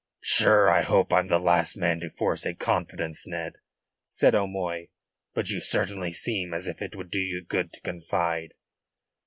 "Sure I hope I am the last man to force a confidence, Ned," said O'Moy. "But you certainly seem as if it would do you good to confide."